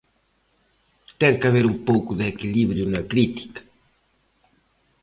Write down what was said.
Ten que haber un pouco de equilibrio na crítica.